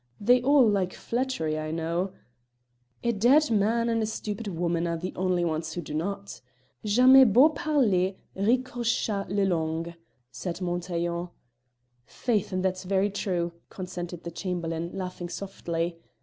They all like flattery, I know " "A dead man and a stupid woman are the only ones who do not. Jamais beau parler riecorcha le langue!" said Montaiglon. "Faith, and that's very true," consented the Chamberlain, laughing softly.